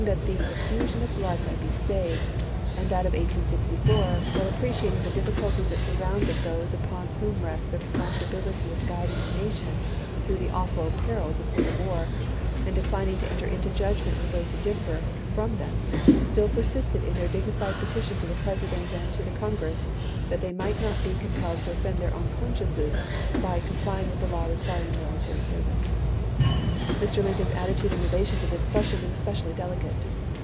that the effusion of blood might be stayed; and that of 1864, while appreciating "the difficulties that surround those upon whom rests the responsi bility of guiding the nation through the awful perils of civil war," and declining to "enter into judgment with those who differ" from them, still persisted in their dignified petition to the Presi dent and to Congress that they might not be com pelled to offend their own consciences by complying with the law requiring military service. Mr. Lincoln's attitude in relation to this question was especially delicate.